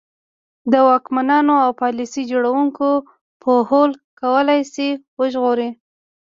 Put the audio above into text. د واکمنانو او پالیسي جوړوونکو پوهول کولای شي وژغوري.